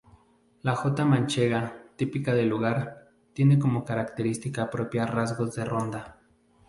La jota manchega, típica del lugar, tiene como característica propia rasgos de ronda.